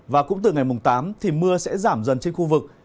và cũng từ ngày mùng tám thì mưa sẽ giảm dần trên khu vực